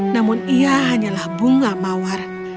namun ia hanyalah bunga mawar